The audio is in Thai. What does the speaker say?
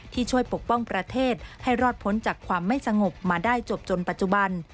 ที่ช่วยปกป้องประเทศให้รอดพ้นจากความไม่สงบมาได้จบจนปัจจุบัน